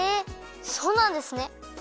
そうなんですね。